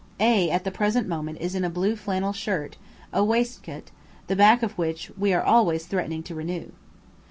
A at the present moment is in a blue flannel shirt, a waistcoat, the back of which we are always threatening to renew.